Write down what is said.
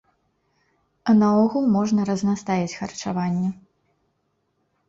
А наогул можна разнастаіць харчаванне.